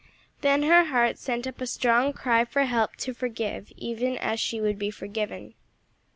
Then her heart sent up a strong cry for help to forgive even as she would be forgiven.